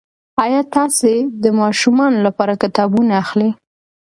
ایا تاسي د ماشومانو لپاره کتابونه اخلئ؟